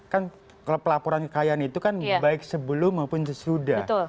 kan kalau pelaporan kekayaan itu kan baik sebelum maupun sesudah